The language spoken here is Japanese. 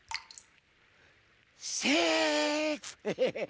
セーフ。